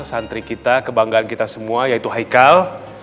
santri kita kebanggaan kita semua yaitu haikal